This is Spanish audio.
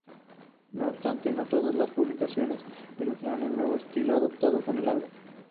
No obstante, no todas las publicaciones elogiaron el nuevo estilo adoptado con el álbum.